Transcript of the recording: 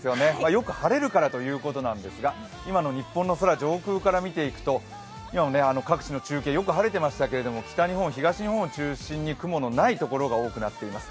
よく晴れるからということなんですが、今の日本の空、上空から見ていくと、各地の中継もよく晴れてましたけど、北日本、東日本を中心に雲のないところが多くなっています。